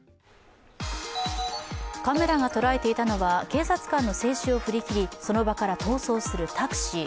カメラが捉えていたのは警察官の制止を振り切りその場から逃走するタクシー。